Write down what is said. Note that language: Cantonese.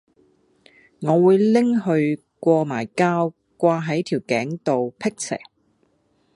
我會拎去過埋膠掛係條頸度闢邪